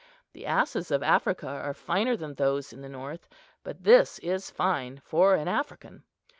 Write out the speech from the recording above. The asses of Africa are finer than those in the north; but this is fine for an African.